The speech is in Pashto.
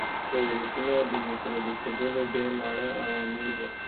ویروسونه د مکروبي کېدلو ډېر واړه عوامل دي.